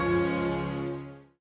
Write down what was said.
terima kasihplaying menikah